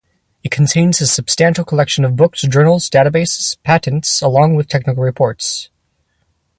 It contains a substantial collections of books, journals, databases, patents along with technical reports.